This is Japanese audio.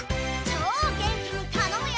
超元気に頼むよ！